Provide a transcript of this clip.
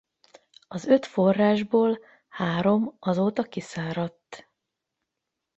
Az öt forrásból három azóta kiszáradt.